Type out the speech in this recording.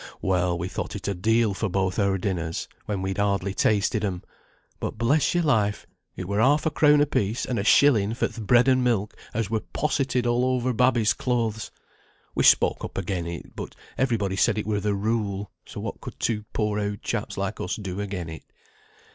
Well, we thought it a deal for both our dinners, when we'd hardly tasted 'em; but, bless your life, it were half a crown apiece, and a shilling for th' bread and milk as were possetted all over babby's clothes. We spoke up again it; but every body said it were the rule, so what could two poor oud chaps like us do again it?